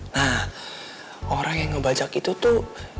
nah orang yang ngebajak itu tuh